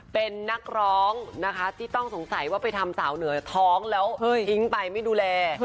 เป็นนักร้องนะคะที่ต้องสงสัยว่าไปทำสาวเหนือท้องแล้วทิ้งไปไม่ดูแล